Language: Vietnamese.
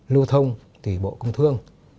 lưu thông thì bộ công thương